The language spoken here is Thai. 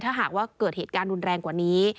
ถ้าหากว่าเกิดเหตุการณ์รุนแรงกว่านี้